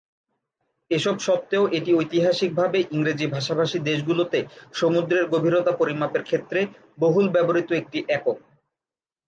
এসব সত্ত্বেও এটি ঐতিহাসিক ভাবে ইংরেজি ভাষাভাষী দেশগুলোতে সমুদ্রের গভীরতা পরিমাপের ক্ষেত্রে বহুল ব্যবহৃত একটি একক।